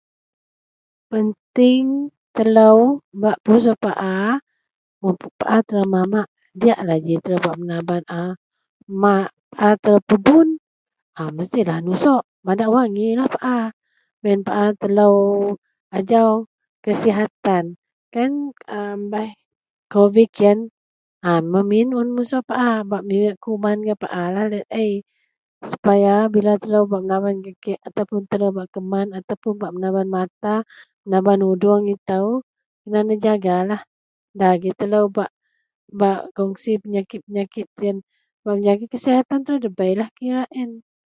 Penting telou bak pusok paa, mun paa telou mamak diyaklah ji telou bak menaban a... Mak... Paa telou pebun a mestilah nusok madak wangilah paa. Baih yen paa telou ajau kesihatan kan baih kovid yen, an memin musok paa bak miweak baih kuman gak paa lah laei sepaya bila telou bak menaban gak kek ataupuun telou bak keman ataupuun bak menaban mata, bak menaban uduong itou, kena nejagalah agei telou bak kongsi penyakit-penyakit yen bak mejaga kesihatan telou debeilah kira en.